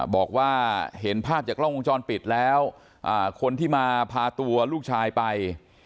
บอกว่าเห็นภาพจากกล้องวงจรปิดแล้วคนที่มาพาตัวลูกชายไป